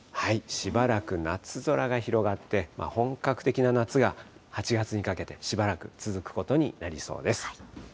しばらく夏空が広がって、本格的な夏が８月にかけてしばらく続くことになりそうです。